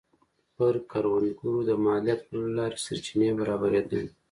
پر کروندګرو د مالیاتو لوړولو له لارې سرچینې برابرېدلې